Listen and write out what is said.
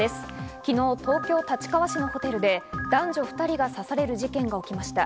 昨日、東京立川市のホテルで、男女２人が刺される事件が起きました。